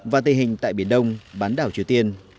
và tình hình tại biển đông bán đảo triều tiên